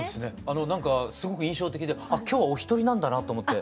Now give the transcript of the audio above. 何かすごく印象的であっ今日はお一人なんだなと思って。